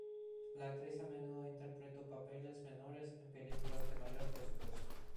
La actriz a menudo interpretó papeles menores en películas de mayor presupuesto.